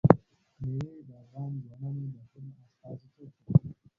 مېوې د افغان ځوانانو د هیلو استازیتوب کوي.